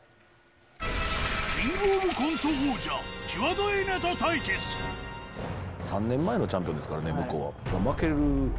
キングオブコント王者、３年前のチャンピオンですからね、向こう。